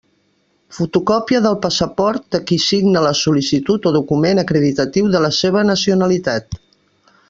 Fotocòpia del passaport de qui signa la sol·licitud o document acreditatiu de la seva nacionalitat.